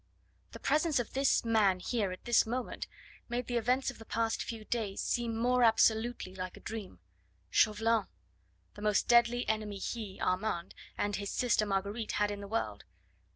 The presence of this man here at this moment made the events of the past few days seem more absolutely like a dream. Chauvelin! the most deadly enemy he, Armand, and his sister Marguerite had in the world.